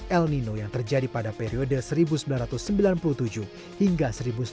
el nino yang terjadi pada periode seribu sembilan ratus sembilan puluh tujuh hingga seribu sembilan ratus sembilan puluh